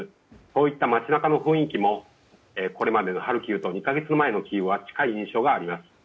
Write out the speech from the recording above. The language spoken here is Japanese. こういった街中の雰囲気もこれまでのハルキウと近い印象があります。